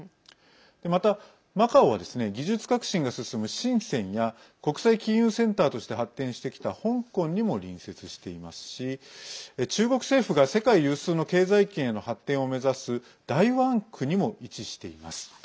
また、マカオは技術革新が進む深センや国際金融センターとして発展してきた香港にも隣接していますし中国政府が世界有数の経済圏への発展を目指す大湾区にも位置しています。